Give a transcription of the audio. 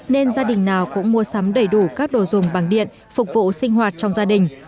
nên gia đình nào cũng mua sắm đầy đủ các đồ dùng bằng điện phục vụ sinh hoạt trong gia đình